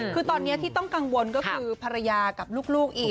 คือตอนนี้ที่ต้องกังวลก็คือภรรยากับลูกอีก